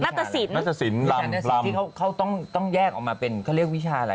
ตสินนัตตสินที่เขาต้องแยกออกมาเป็นเขาเรียกวิชาอะไร